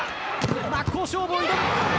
真っ向勝負を挑む。